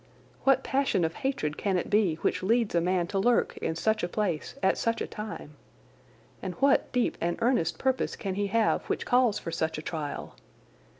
What passion of hatred can it be which leads a man to lurk in such a place at such a time! And what deep and earnest purpose can he have which calls for such a trial!